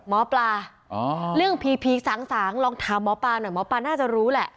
หมอปลาเรื่องผีพีสางลองถามหมอปลาหน่อยหมอปลาน่าจะรู้แหละ